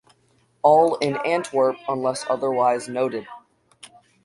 All in Antwerp unless otherwise noted